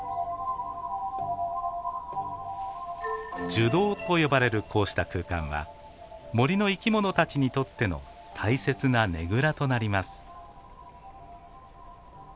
「樹洞」と呼ばれるこうした空間は森の生き物たちにとっての大切なねぐらとなります。